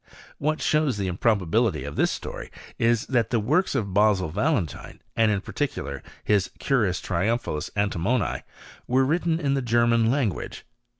What shows the improbability of this story is, that the works of Basil Valentine, and in particular his Currus trium phalis Antimonii, were written in the German lan guage.